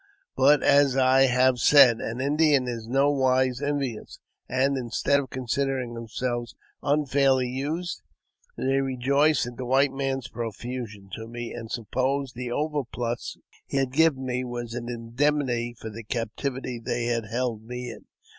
But, as I have said, an Indian is in no wise envious, and, instead of considering themselves unfairly used, they rejoiced at the white man's profusion to me, and supposed the overplus he had given me was an indemnity for the captivity they had held me in.